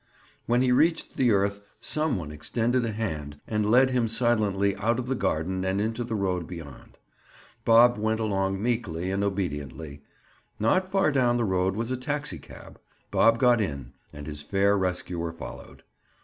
When he reached the earth some one extended a hand and led him silently out of the garden and into the road beyond. Bob went along meekly and obediently. Not far down the road was a taxicab. Bob got in and his fair rescuer followed.